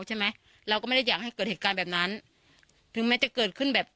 ใช่ไหมเราก็ไม่ได้อยากให้เกิดเหตุการณ์แบบนั้นถึงแม้จะเกิดขึ้นแบบ